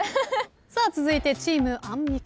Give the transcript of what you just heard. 続いてチームアンミカ